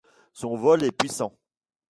Son vol est puissant.